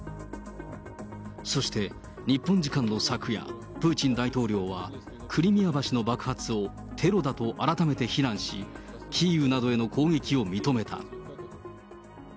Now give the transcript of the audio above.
そして日本時間の昨夜、プーチン大統領は、クリミア橋の爆発をテロだと改めて非難し、キーウなどへの攻撃を認めた。